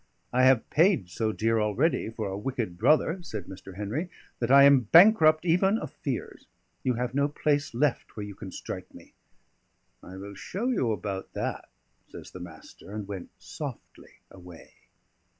"I have paid so dear already for a wicked brother," said Mr. Henry, "that I am bankrupt even of fears. You have no place left where you can strike me." "I will show you about that," says the Master, and went softly away.